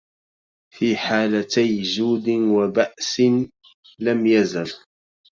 في حالتي جود وبأس لم يزل